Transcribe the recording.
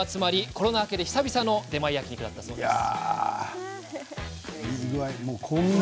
コロナ明けで久々の出前焼肉だったそうです。